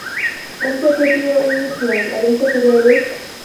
أنت كثير النّسيان، أليس كذلك؟